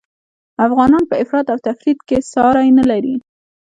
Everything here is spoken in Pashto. افغانان په افراط او تفریط کي ساری نلري